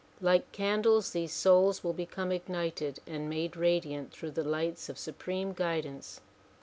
Like candles these souls will become ignited and made radiant through the lights of supreme guidance.